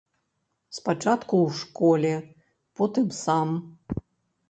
Спачатку ў школе, потым сам.